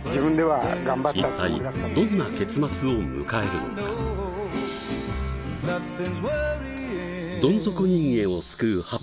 一体どんな結末を迎えるのかさあ